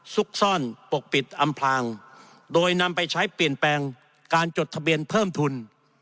ซุกซ่อนปกปิดอำพลางโดยนำไปใช้เปลี่ยนแปลงการจดทะเบียนเพิ่มทุน